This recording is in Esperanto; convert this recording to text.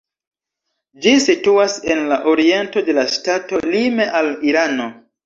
Ĝi situas en la oriento de la ŝtato, lime al Irano.